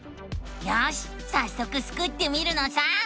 よしさっそくスクってみるのさ！